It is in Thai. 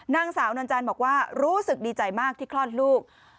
นางสาวนวลจันทร์บอกว่ารู้สึกดีใจมากที่คลอดลูก